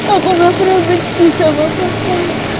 aku gak pernah benci sama papa